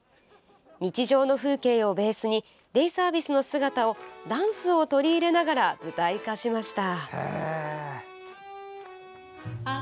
日常の風景をベースにデイサービスの姿をダンスを取り入れながら舞台化しました。